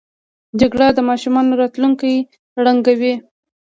جګړه د ماشومانو راتلونکی ړنګوي